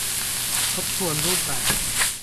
ทบทวนรูปแบบ